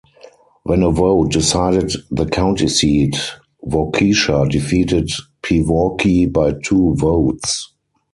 When a vote decided the county seat, Waukesha defeated Pewaukee by two votes.